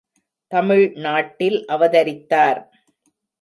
தமிழ் நாட்டில் அவதரித்தார்.